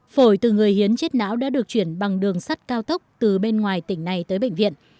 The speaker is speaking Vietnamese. phổi từ người hiến chết não đã được chuyển bằng đường sắt cao tốc từ bên ngoài tỉnh này tới bệnh viện